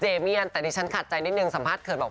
เจเมียร์แต่นี่ฉันขาดใจนิดนึงสัมภาษณ์เขื่อนบอก